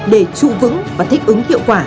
để trụ vững và thích ứng hiệu quả